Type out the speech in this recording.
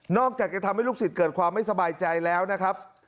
อกจากจะทำให้ลูกศิษย์เกิดความไม่สบายใจแล้วนะครับ